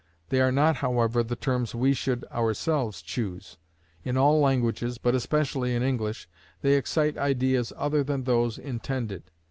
They are not, however, the terms we should ourselves choose. In all languages, but especially in English, they excite ideas other than those intended.